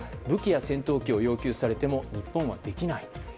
武器や戦闘機を要求されても日本はできない。